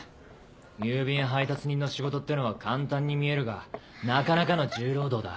郵便配達人の仕事ってのは簡単に見えるがなかなかの重労働だ。